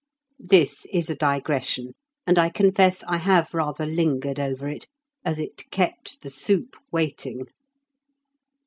This is a digression, and I confess I have rather lingered over it, as it kept the soup waiting.